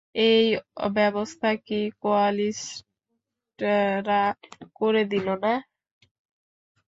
এই ব্যবস্থা কি কোয়ালিস্টরা করে দিল না?